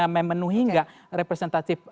memenuhi enggak representatif